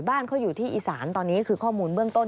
บ้านเขาอยู่ที่อีสานตอนนี้คือข้อมูลเบื้องต้น